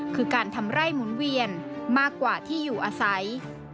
คือการทำไร่หมุนเวียนมากกว่าที่อยู่อาศัย